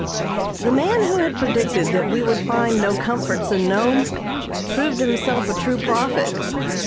The man who had predicted that we would find no comforts in Nome proved himself a true prophet.